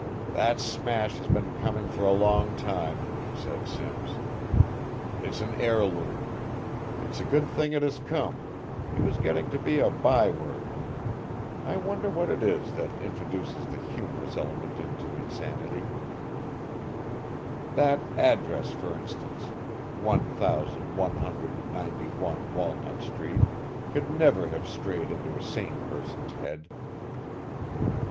"That smash has been coming for a long time," said Simms "it's an heirloom. It's a good thing it has come, he was getting to be a bye word I wonder what it is that introduces the humorous element into insanity; that address, for instance, one thousand one hundred and ninety one Walnut Street, could never have strayed into a sane person's head."